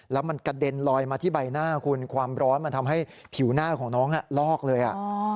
แล้วมันกระเด็นลอยมาที่ใบหน้าคุณความร้อนมันทำให้ผิวหน้าของน้องลอกเลย